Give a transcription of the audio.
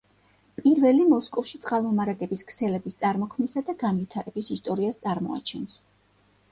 პირველი მოსკოვში წყალმომარაგების ქსელების წარმოქმნისა და განვითარების ისტორიას წარმოაჩენს.